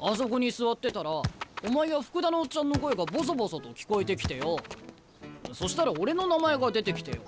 あそこに座ってたらお前や福田のオッチャンの声がボソボソと聞こえてきてよそしたら俺の名前が出てきてよ。